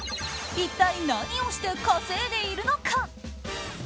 一体何をして稼いでいるのか。